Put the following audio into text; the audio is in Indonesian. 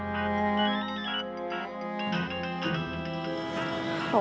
aku juga mau pergi dulu